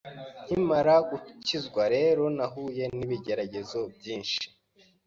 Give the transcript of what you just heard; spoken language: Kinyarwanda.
Nkimara gukizwa rero nahuye n’ibigeragezo byinshi